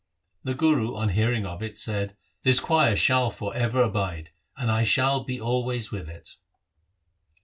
The Guru, on hearing of it, said, ' This choir shall forever abide, and I shall be always with it.'